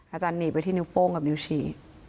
อาจารย์หนีไปที่นิ้วโป้งกับนิ้วฉี่